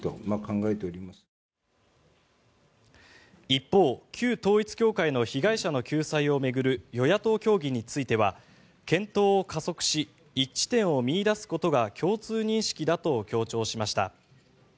一方、旧統一教会の被害者の救済を巡る与野党協議については検討を加速し一致点を見いだすことが共通認識だと強調しました。